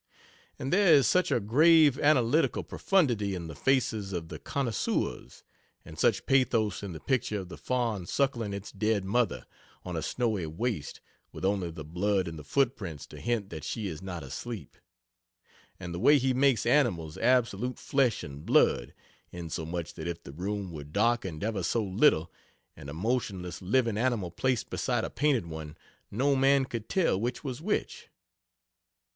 And there is such a grave analytical profundity in the faces of "The Connoisseurs;" and such pathos in the picture of the fawn suckling its dead mother, on a snowy waste, with only the blood in the footprints to hint that she is not asleep. And the way he makes animals absolute flesh and blood insomuch that if the room were darkened ever so little and a motionless living animal placed beside a painted one, no man could tell which was which.